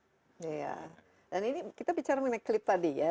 iya dan ini kita bicara mengenai klip tadi ya